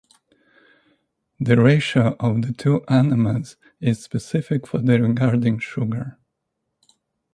The ratio of the two anomers is specific for the regarding sugar.